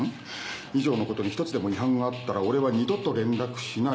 以上のことに一つでも違反があったら俺は二度と連絡しない。